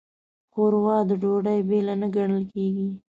ښوروا د ډوډۍ بېله نه ګڼل کېږي.